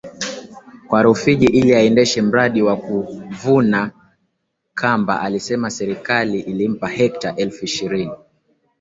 ya Rufiji ili aendeshe mradi wa kuvuna kambaAlisema Serikali ilimpa hekta elfu ishirini